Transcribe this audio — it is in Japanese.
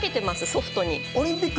ソフトに。